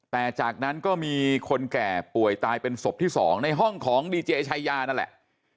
แต่จากนั้นก็มีคนแก่ป่วยตายเป็นศพที่๒ในห้องของดีเจชายานั่นแหละ